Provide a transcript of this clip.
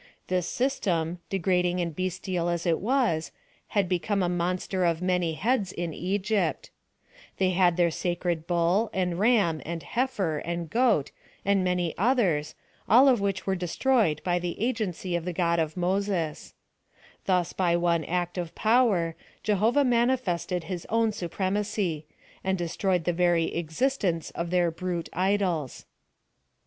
This system, degrading and bestial as it was, had become a monster of many heads in Egypt. They had their sacred bull, and ram, and heifer, and goat, and many others, all of which were destroyed by • Every third day according to HerodotUh. 68 PHILOSOPHY OF THE the agency of the God of Moses. Thus by one act of power, Jehovah mciiifested his own supremacy, and destroyed the very existence of their brute idols.